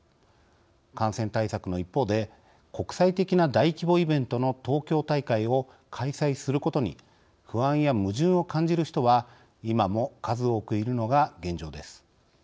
感染対策の一方で国際的な大規模イベントの東京大会を開催することに不安や矛盾を感じる人は今も数多くいるのが現状です。